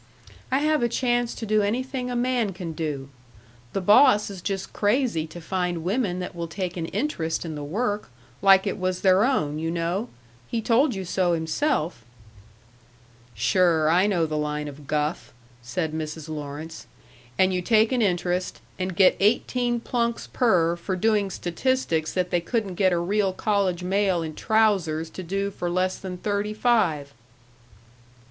I have a chance to do anything a man can do. The boss is just crazy to find women that will take an interest in the work, like it was their own you know, he told you so himself " "Sure, I know the line of guff," said Mrs. Lawrence. "And you take an interest, and get eighteen plunks per for doing statistics that they couldn't get a real college male in trousers to do for less than thirty five."